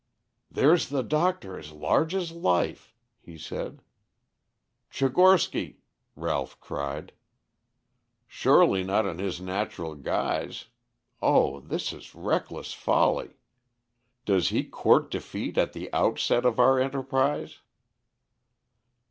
"There's the doctor as large as life!" he said. "Tchigorsky!" Ralph cried. "Surely not in his natural guise. Oh, this is reckless folly! Does he court defeat at the outset of our enterprise?"